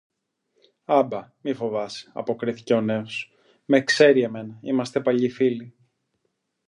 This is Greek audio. Α μπα, μη φοβάσαι, αποκρίθηκε ο νέος, με ξέρει εμένα, είμαστε παλιοί φίλοι